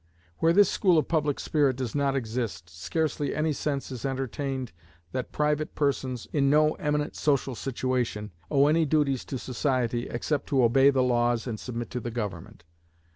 Where this school of public spirit does not exist, scarcely any sense is entertained that private persons, in no eminent social situation, owe any duties to society except to obey the laws and submit to the government.